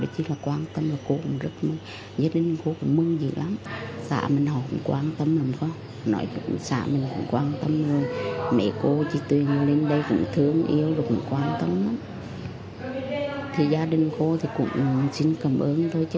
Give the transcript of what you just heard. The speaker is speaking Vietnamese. cô bé bị nhiễm bệnh cô bé bị nhiễm bệnh cô bé bị nhiễm bệnh